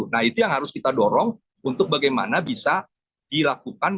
nah itu yang harus kita dorong untuk bagaimana bisa dilakukan